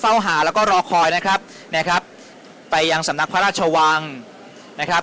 หาแล้วก็รอคอยนะครับนะครับไปยังสำนักพระราชวังนะครับ